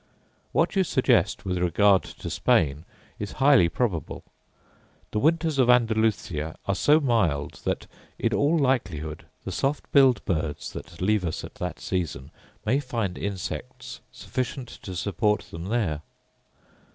What you suggest, with regard to Spain, is highly probable. The winters of Andalusia are so mild, that, in all likelihood, the soft billed birds that leave us at that season may find insects sufficient to support them there.